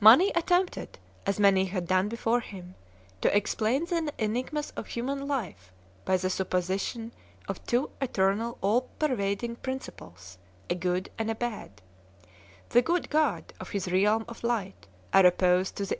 Mani attempted, as many had done before him, to explain the enigmas of human life by the supposition of two . eternal all pervading principles, a good and a bad; the good God and his realm of light are opposed to the